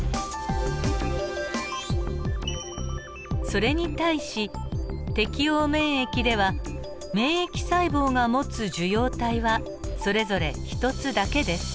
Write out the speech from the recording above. それに対し適応免疫では免疫細胞が持つ受容体はそれぞれ一つだけです。